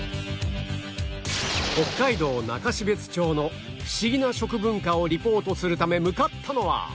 北海道中標津町のフシギな食文化をリポートするため向かったのは